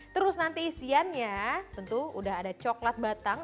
terus nanti isiannya tentu udah ada coklat batang